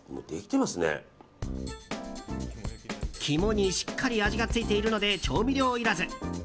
肝にしっかり味がついているので調味料いらず。